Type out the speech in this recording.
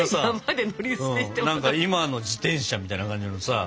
今の自転車みたいな感じのさ。